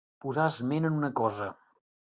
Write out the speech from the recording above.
Posar esment en una cosa.